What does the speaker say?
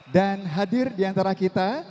dan hadir diantara kita